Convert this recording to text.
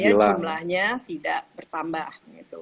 supaya jumlahnya tidak bertambah